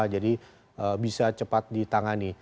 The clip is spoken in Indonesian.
jadi bisa cepat ditangani